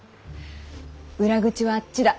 裏口はあっちだ。